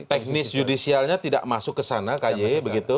teknis judisialnya tidak masuk ke sana ky begitu